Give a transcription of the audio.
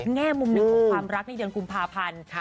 แง่มุมหนึ่งของความรักในเดือนกุมภาพันธ์